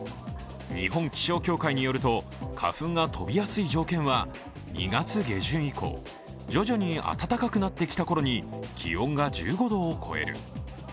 日本気象協会によると、花粉が飛びやすい条件は２月下旬以降、徐々に暖かくなってきた頃に気温が１５度を超える。